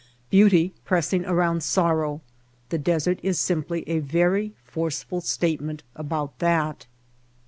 Beauty pressing around sorrow — the desert is simply a very forceful statement about that.